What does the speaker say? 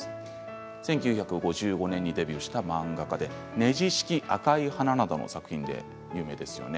１９５５年にデビューした漫画家で「ねじ式」、「紅い花」などの作品で有名ですよね。